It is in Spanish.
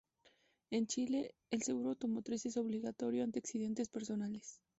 En Chile, el seguro automotriz es obligatorio ante accidentes personales.